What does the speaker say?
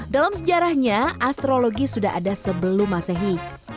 dalam sejarahnya astrologi sudah ada sebelum masehi